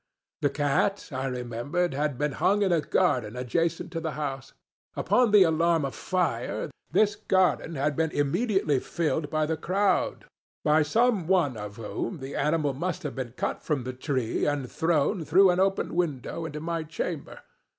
The cat, I remembered, had been hung in a garden adjacent to the house. Upon the alarm of fire, this garden had been immediately filled by the crowdŌĆöby some one of whom the animal must have been cut from the tree and thrown, through an open window, into my chamber.